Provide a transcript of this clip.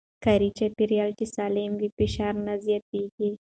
کاري چاپېريال چې سالم وي، فشار نه زياتېږي.